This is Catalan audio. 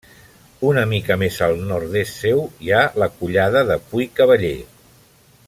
Una mica més al nord-est seu hi ha la Collada de Pui Cavaller.